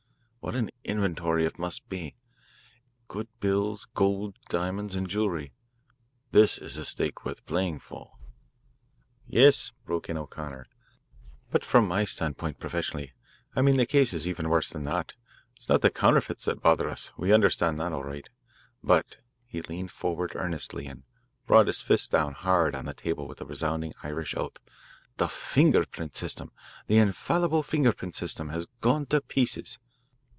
What an inventory if must be good bills, gold, diamonds, and jewellery. This is a stake worth playing for." "Yes," broke in O'Connor, "but from my standpoint, professionally, I mean, the case is even worse than that. It's not the counterfeits that bother us. We understand that, all right. But," and he leaned forward earnestly and brought his fist down hard on the table with a resounding Irish oath, "the finger print system, the infallible finger print system, has gone to pieces.